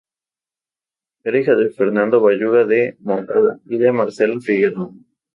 Era hija de Fernando Belluga de Moncada y de Marcela Figueroa.